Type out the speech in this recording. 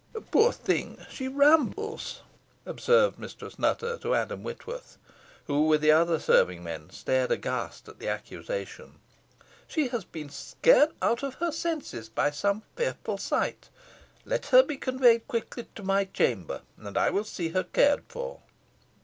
"Poor thing! she rambles," observed Mistress Nutter to Adam Whitworth, who, with the other serving men, stared aghast at the accusation; "she has been scared out of her senses by some fearful sight. Let her be conveyed quickly to my chamber, and I will see her cared for."